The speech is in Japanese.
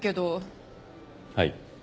はい。